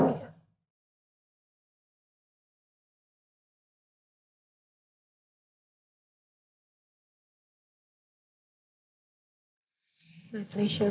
ngapain buat kamu